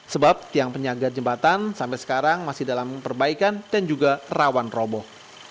sebab tiang penyaga jembatan sampai sekarang masih dalam perbaikan dan juga rawan roboh